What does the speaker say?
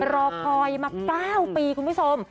รอคอยมา๙ปีคุณผู้ชม